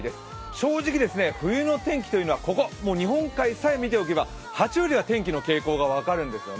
正直、冬の天気というのはここ日本海さえ見ておけば８割は天気の傾向が分かるんですよね。